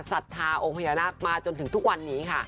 สัทธาโอไฮณับมาจนถึงทุกวันนี้ค่ะ